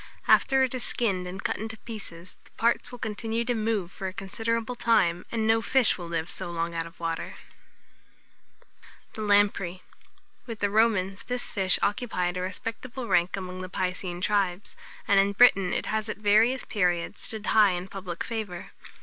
After it is skinned and cut in pieces, the parts will continue to move for a considerable time, and no fish will live so long out of water. [Illustration: THE LAMPREY.] THE LAMPREY. With the Romans, this fish occupied a respectable rank among the piscine tribes, and in Britain it has at various periods stood high in public favour.